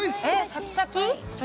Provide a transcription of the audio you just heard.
◆シャキシャキ。